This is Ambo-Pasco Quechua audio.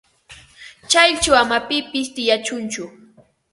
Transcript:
Chayćhu ama pipis tiyachunchu.